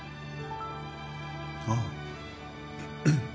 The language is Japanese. ああ。